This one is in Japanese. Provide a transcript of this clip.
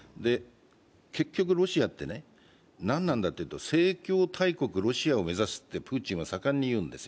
結局、ロシアって何なんだというと正教大国ロシアを目指すとプーチンは盛んに言うんですよ。